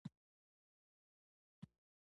که مړه شوم